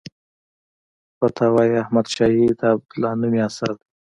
فتاوی احمدشاهي د عبدالله نومي اثر دی.